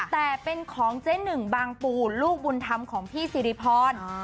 แต่เป็นของเจ๊หนึ่งบางปูลูกบุญธรรมของพี่สิริพร